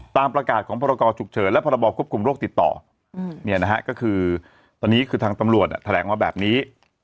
ตามประกาศของพรกรฉุกเฉินและพรบควบคุมโรคติดต่อก็คือตอนนี้คือทางตำรวจแถลงมาแบบนี้